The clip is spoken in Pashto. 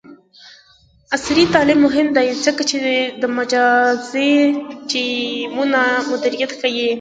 عصري تعلیم مهم دی ځکه چې د مجازی ټیمونو مدیریت ښيي.